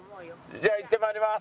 じゃあ行って参ります。